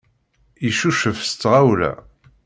Yeccucef s tɣawla.